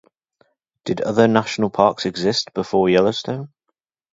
Did other national parks exist before Yellowstone?